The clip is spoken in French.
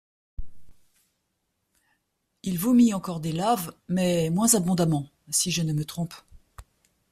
Il vomit encore des laves, mais moins abondamment, si je ne me trompe!